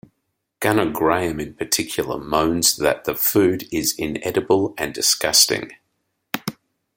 Gunner Graham in particular moans that the food is inedible and disgusting.